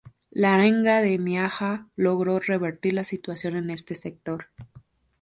La arenga de Miaja logró revertir la situación en ese sector.